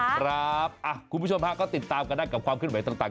คุณผู้ชมฮะก็ติดตามกันได้กับความขึ้นไหวต่าง